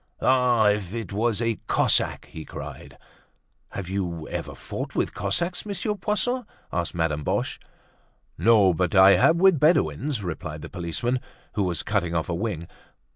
"Ah! if it was a Cossack!" he cried. "Have you ever fought with Cossacks, Monsieur Poisson?" asked Madame Boche. "No, but I have with Bedouins," replied the policeman, who was cutting off a wing.